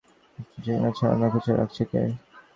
পায়ের কাছে থাকা একটা পত্রিকার ওপর চিংড়ির ছাড়ানো খোসা রাখছে সে।